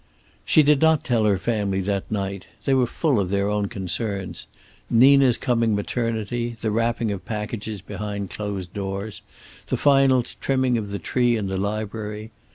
She did not tell the family that night. They were full of their own concerns, Nina's coming maternity, the wrapping of packages behind closed doors, the final trimming of the tree in the library.